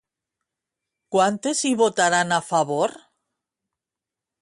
Quantes hi votaran a favor?